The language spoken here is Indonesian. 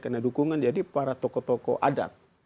karena dukungan jadi para tokoh tokoh adat